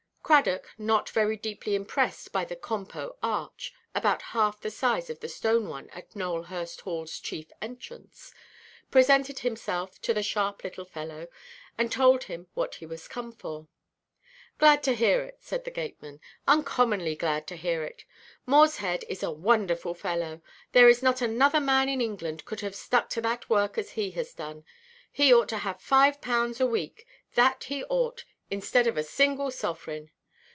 Cradock, not very deeply impressed by the "compo" arch (about half the size of the stone one at Nowelhurst Hallʼs chief entrance), presented himself to the sharp little fellow, and told him what he was come for. "Glad to hear it," said the gateman, "uncommonly glad to hear it. Morshead is a wonderful fellow; there is not another man in England could have stuck to that work as he has done. He ought to have five pounds a week, that he ought, instead of a single sovereign.